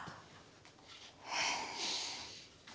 へえ。